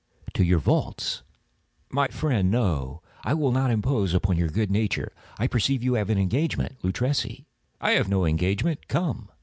"To your vaults." "My friend, no; I will not impose upon your good nature. I perceive you have an engagement. Luchesi—" "I have no engagement;—come."